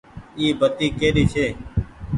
اي بتي ڪي ري ڇي۔